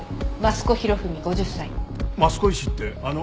益子医師ってあの？